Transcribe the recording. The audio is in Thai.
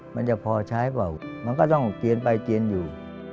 มันจะพอใช้เปล่ามันก็ต้องเจียนไปเจียนอยู่